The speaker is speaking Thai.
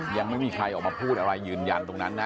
ยังไม่มีใครออกมาพูดอะไรยืนยันตรงนั้นนะ